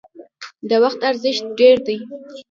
د وخت ارزښت ډیر دی